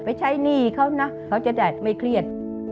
ใช้หนี้เขานะเขาจะได้ไม่เครียด